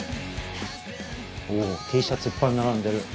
おＴシャツいっぱい並んでる。